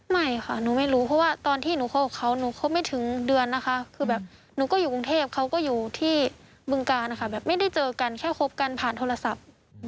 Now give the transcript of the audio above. ไม่ค่ะหนูไม่รู้เพราะว่าตอนที่หนูคบกับเขาหนูคบไม่ถึงเดือนนะคะคือแบบหนูก็อยู่กรุงเทพเขาก็อยู่ที่บึงการค่ะแบบไม่ได้เจอกันแค่คบกันผ่านโทรศัพท์